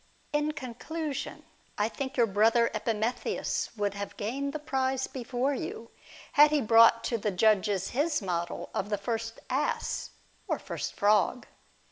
In conclusion, I think your brother Epimetheus would have gained the prize before you, had he brought to the judges his model of the first ass, or first frog.